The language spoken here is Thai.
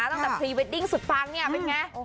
พรีเวดดิ้งสุดปังเนี่ยเป็นไง